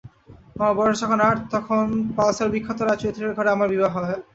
আমার বয়স যখন আট তখন পালসার বিখ্যাত রায়চৌধুরীদের ঘরে আমার বিবাহ হয়।